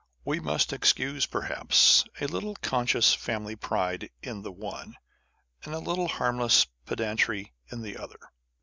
We must excuse perhaps a little conscious family pride in the one, and a little harmless pedantry in the other.